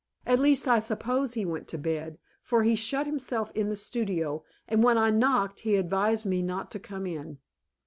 At least, I suppose he went to bed, for he shut himself in the studio, and when I knocked he advised me not to come in."